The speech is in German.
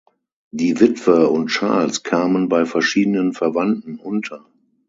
Die Witwe und Charles kamen bei verschiedenen Verwandten unter.